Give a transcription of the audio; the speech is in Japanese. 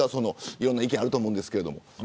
いろんな意見あると思うんですけど。